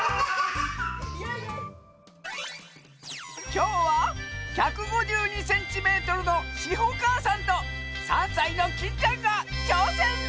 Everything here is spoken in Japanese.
きょうは１５２センチメートルのしほかあさんと３さいのキンちゃん。がちょうせん！